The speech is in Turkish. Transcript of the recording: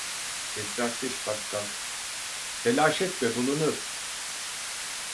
Esrarkeş bakkal: "Telaş etme bulunur!".